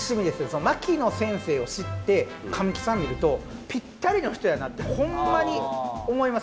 その牧野先生を知って神木さん見るとぴったりの人やなってホンマに思います。